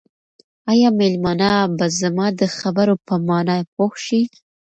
آیا مېلمانه به زما د خبرو په مانا پوه شي؟